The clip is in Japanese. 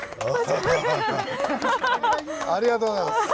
ありがとうございます。